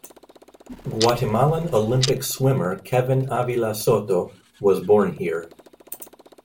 Guatemalan Olympic swimmer Kevin Avila Soto was born here.